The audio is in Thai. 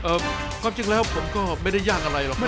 ความจริงแล้วผมก็ไม่ได้ยากอะไรหรอกครับ